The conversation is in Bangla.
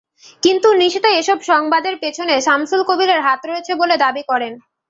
কিন্তু নিশীতা এসব সংবাদের পেছনে শামসুল কবিরের হাত রয়েছে বলে দাবি করেন।